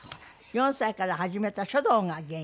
４歳から始めた書道が原因。